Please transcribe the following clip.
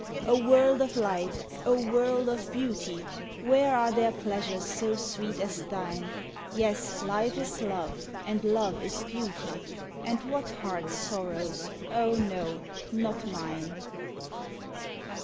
O world of light, and O world of beauty! Where are there pleasures so sweet as thine? Yes, life is love, and love is duty; And what heart sorrows? O no, not mine!